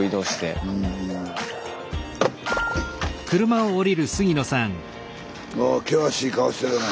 スタジオあ険しい顔してるね。